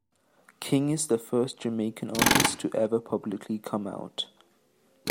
King is the first Jamaican artist to ever publicly come out.